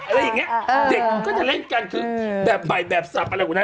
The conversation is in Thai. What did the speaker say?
อะไรอย่างเงี้ยเด็กก็จะเล่นกันคือแบบใหม่แบบสับอะไรกว่านั้น